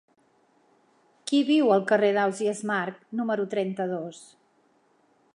Qui viu al carrer d'Ausiàs Marc número trenta-dos?